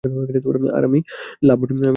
আর আমি লাভমোর নই।